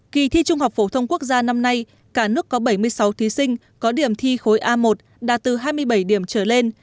kỳ thi trung học phổ thông quốc gia năm nay cả nước có bảy mươi sáu thí sinh có điểm thi khối a một đạt từ hai mươi bảy điểm trở lên